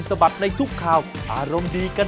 สวัสดีค่ะ